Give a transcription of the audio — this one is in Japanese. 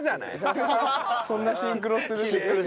そんなシンクロする。